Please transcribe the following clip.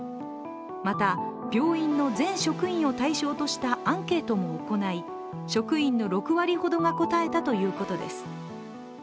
また、病院の全職員を対象としたアンケートも行い職員の６割ほどが答えたということです。